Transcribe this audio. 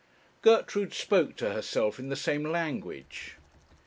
Gertrude spoke to herself in the same language.